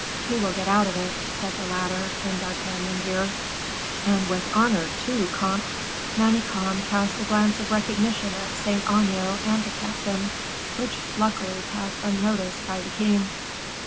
"He will get out of it," said the latter in D'Artagnan's ear. "And with honor, too, comte." Manicamp cast a glance of recognition at Saint Aignan and the captain, which luckily passed unnoticed by the king.